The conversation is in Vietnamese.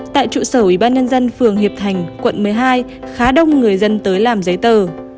tại trụ sở ủy ban nhân dân phường hiệp thành quận một mươi hai khá đông người dân tới làm giấy tờ